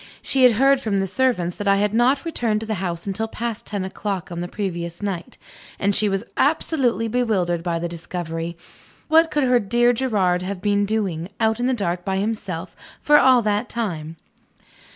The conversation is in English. She had heard, from the servants, that I had not returned to the house until past ten o'clock on the previous night; and she was absolutely bewildered by the discovery. What could her dear Gerard have been doing, out in the dark by himself, for all that time?